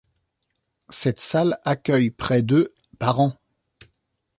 Cette salle accueille près de par an.